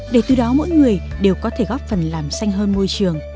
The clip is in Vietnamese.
để từ đó mỗi người đều có thể góp phần làm xanh hơn môi trường